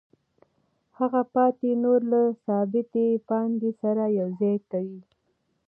هغه پاتې نوره له ثابتې پانګې سره یوځای کوي